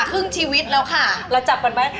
ครึ่งชีวิตแล้วค่ะเราจับกันไว้